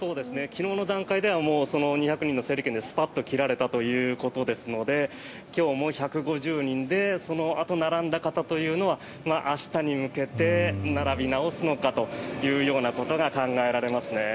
昨日の段階では２００人の整理券でスパッと切られたということですので今日も１５０人でそのあと並んだ方というのは明日に向けて並び直すのかというようなことが考えられますね。